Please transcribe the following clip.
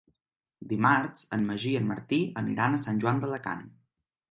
Dimarts en Magí i en Martí aniran a Sant Joan d'Alacant.